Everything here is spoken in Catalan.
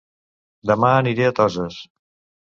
Dema aniré a Toses